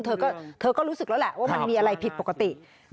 เธอก็รู้สึกแล้วแหละว่ามันมีอะไรผิดปกติ